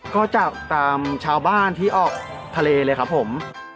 ก็จับตามชาวบ้านที่ออกทะเลเลยครับผม